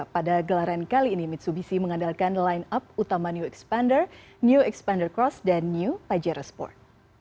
pada gelaran kali ini mitsubishi mengandalkan line up utama new expander new expander cross dan new pajero sport